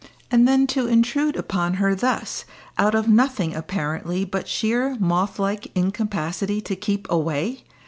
And then to intrude upon her thus, out of nothing apparently but sheer moth like incapacity to keep away!